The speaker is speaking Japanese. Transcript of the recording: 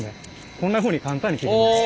こんなふうに簡単に切れるんです。